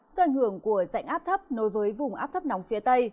do ảnh hưởng của dạnh áp thấp nối với vùng áp thấp nóng phía tây